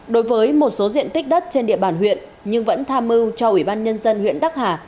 đối với một số diện tích đất trên địa bàn huyện nhưng vẫn tham mưu cho ủy ban nhân dân huyện đắc hà